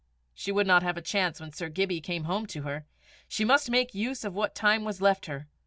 She would not have a chance when Sir Gibbie came home to her. She must make use of what time was left her.